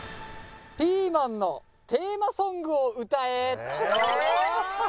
「ピーマンのテーマソングを歌え」